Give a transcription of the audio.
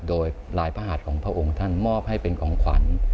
โดยลายพระหาดของพระองค์ท่านมอบให้เป็นของขวัญ